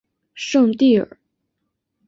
圣蒂尔。